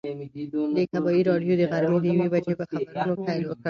د کبابي راډیو د غرمې د یوې بجې په خبرونو پیل وکړ.